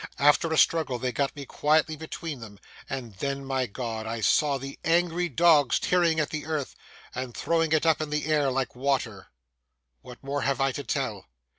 After a struggle, they got me quietly between them; and then, my God! I saw the angry dogs tearing at the earth and throwing it up into the air like water. What more have I to tell?